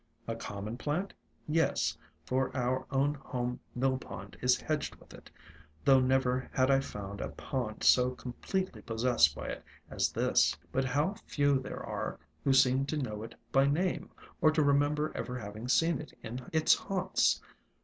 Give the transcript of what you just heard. A common plant? Yes, for our own home mill pond is hedged with it, though never had I found a pond so completely possessed by it as this. But how few there are who seem to know it by name, or to remember ever having seen it in its haunts!